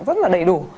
rất là đầy đủ